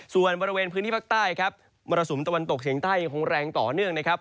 ส่วนบริเวณพื้นที่ภาคใต้ครับมรสุมตะวันตกเฉียงใต้ยังคงแรงต่อเนื่องนะครับ